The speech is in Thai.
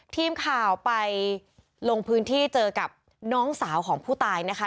ทีมข่าวไปลงพื้นที่เจอกับน้องสาวของผู้ตายนะคะ